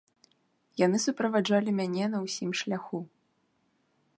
Яны суправаджалі мяне на ўсім шляху.